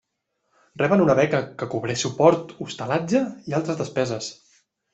Reben una beca que cobreix suport, hostalatge i altres despeses.